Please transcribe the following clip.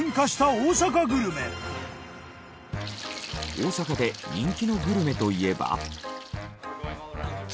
大阪で人気のグルメといえば。